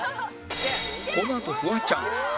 このあとフワちゃん